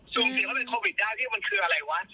สูงเสี่ยงว่าจะเป็นโควิดได้ที่มันคืออะไรวะ